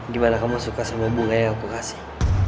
gimana kamu suka sama bunga yang aku kasih